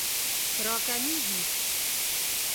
راکمېږي